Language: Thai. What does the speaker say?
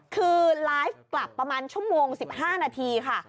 คือไลฟ์กลับประมาณชั่วโมง๑๕นาทีค่ะ